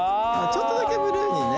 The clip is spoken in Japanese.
ちょっとだけブルーにね。